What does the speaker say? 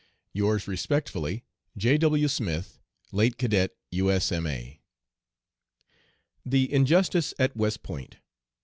Yours respectfully, "J. W. SMITH, "Late Cadet U.S.M.A." THE INJUSTICE AT WEST POINT.